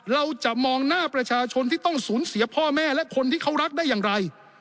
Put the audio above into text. เราจะมองหน้าประชาชนที่ต้องสูญเสียพ่อแม่และคนที่เขารักได้อย่างไร